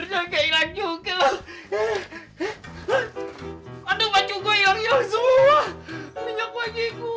pak jing lawan gue sih lu